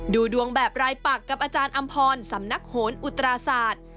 ดูดวงแบบรายปักกับอาจารย์อำพรสำนักโหนอุตราศาสตร์